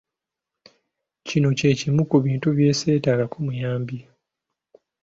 Kino kye kimu ku bintu bye sseetaagako muyambi.